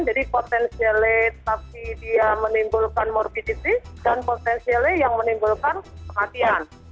jadi potensialate tapi dia menimbulkan morbidities dan potensialate yang menimbulkan kematian